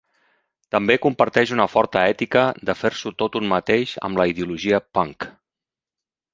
També comparteix una forta ètica de fer-s'ho tot un mateix amb la ideologia punk.